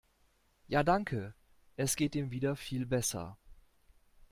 Ja danke, es geht im wieder viel besser.